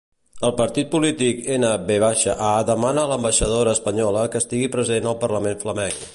El partit polític N-VA demana a l'ambaixadora espanyola que estigui present al Parlament Flamenc.